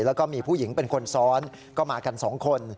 แล้วก็มีผู้หญิงเป็นคนซ้อนก็มากัน๒คน